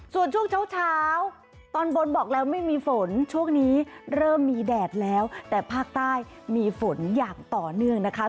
ส่วนช่วงเช้าตอนบนบอกแล้วไม่มีฝนช่วงนี้เริ่มมีแดดแล้วแต่ภาคใต้มีฝนอย่างต่อเนื่องนะคะ